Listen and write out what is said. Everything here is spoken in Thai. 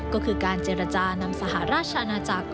ก็คือการเจรจานำสหราชอาณาจักร